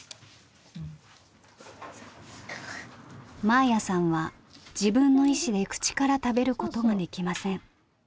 眞綾さんは自分の意思で口から食べることができません。